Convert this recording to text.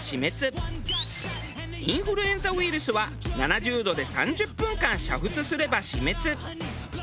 インフルエンザウイルスは７０度で３０分間煮沸すれば死滅。